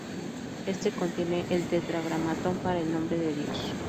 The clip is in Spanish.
Este contiene el tetragrámaton para el nombre de Dios.